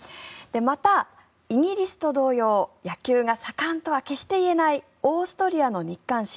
また、イギリスと同様野球が盛んとは決して言えないオーストリアの日刊紙